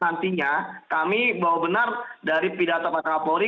nantinya kami bahwa benar dari pidatonya pak satori